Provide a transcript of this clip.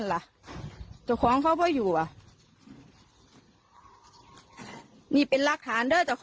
หัวหัวไปแบบนี้หะ